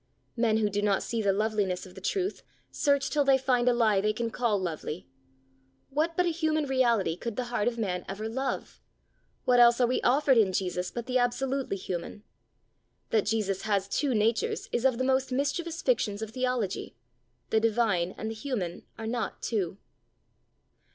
Men who do not see the loveliness of the Truth, search till they find a lie they can call lovely. What but a human reality could the heart of man ever love! what else are we offered in Jesus but the absolutely human? That Jesus has two natures is of the most mischievous fictions of theology. The divine and the human are not two.